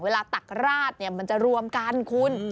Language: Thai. ตักราดเนี่ยมันจะรวมกันคุณ